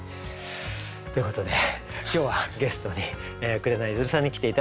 ということで今日はゲストに紅ゆずるさんに来て頂きました。